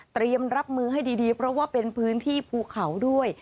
เตรียมรับมือให้ดีเพราะว่าเป็นพื้นที่ภูเขาด้วย